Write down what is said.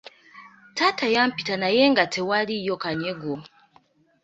Taata yampita naye nga tawulirayo kanyego.